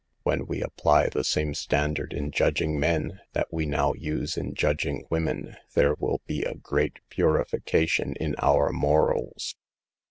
When we apply the same standard in judging men that we now use in judging women, there will be a great purifi cation in our morals.